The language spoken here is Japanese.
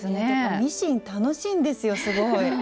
ミシン楽しいんですよすごい。